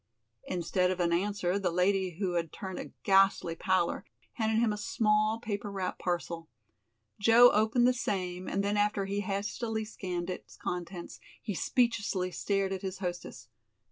Instead of an answer the lady who had turned a ghastly pallor handed him a small, paper wrapped parcel. Joe opened the same, and then after he hastily scanned its contents he speechlessly stared at his hostess.